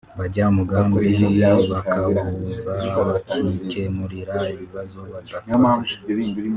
bajya umugambi bakawuhuza bakikemurira ibibazo badasakuje